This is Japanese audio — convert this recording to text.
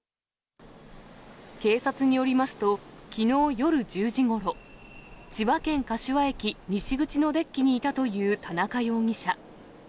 警察によりますと、きのう夜１０時ごろ、千葉県柏駅西口のデッキにいたという田中容疑者。